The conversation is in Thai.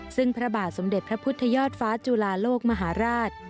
ซึ่งพระบาทสมเด็จพระพุทธยอดฟ้าจุลาโลกมหาราช